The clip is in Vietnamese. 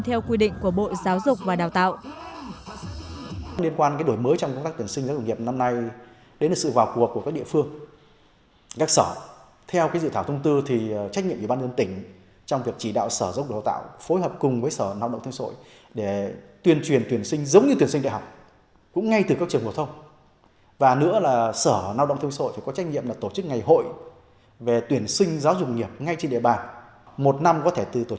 theo quy định của bộ giáo dục và đào tạo